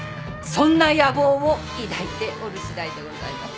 そんな野望を抱いておるしだいでございます。